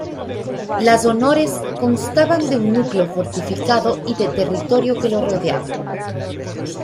Las honores constaban de un núcleo fortificado y del territorio que lo rodeaba.